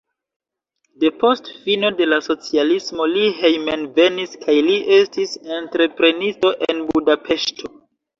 Depost fino de la socialismo li hejmenvenis kaj li estis entreprenisto en Budapeŝto.